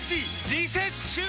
リセッシュー！